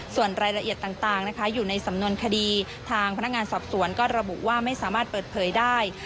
ส่วนรายละเอียดต่างนะคะอยู่ในสำนวนคดีทางพนักงานสอบสวนก็ระบุว่าไม่สามารถเปิดเผยได้